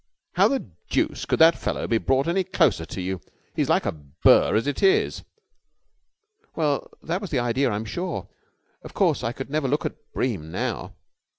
"How the deuce could that fellow be brought any closer to you? He's like a burr as it is." "Well, that was the idea, I'm sure. Of course, I could never look at Bream now."